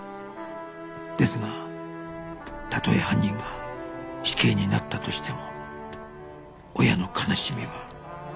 ですがたとえ犯人が死刑になったとしても親の悲しみは